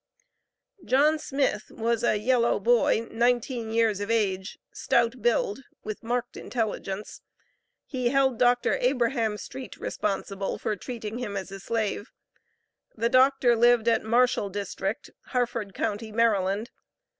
John Smith was a yellow boy, nineteen years of age, stout build, with, marked intelligence. He held Dr. Abraham Street responsible for treating him as a slave. The doctor lived at Marshall District, Harford county, Maryland.